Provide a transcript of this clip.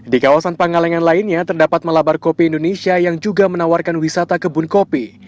di kawasan pangalengan lainnya terdapat malabar kopi indonesia yang juga menawarkan wisata kebun kopi